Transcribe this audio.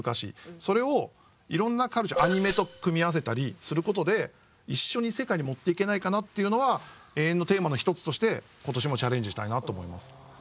それをいろんなカルチャーアニメと組み合わせたりすることで一緒に世界に持っていけないかなというのは永遠のテーマの一つとして今年もチャレンジしたいなと思います。